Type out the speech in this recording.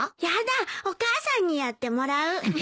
やだお母さんにやってもらう。